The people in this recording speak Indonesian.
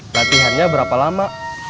pelatihannya berapa lama